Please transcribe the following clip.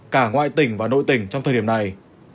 cả ngoại tỉnh và nội tỉnh trong thời điểm này